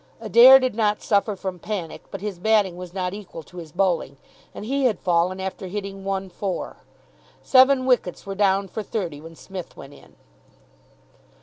Adair did not suffer from panic, but his batting was not equal to his bowling, and he had fallen after hitting one four. Seven wickets were down for thirty when Psmith went in.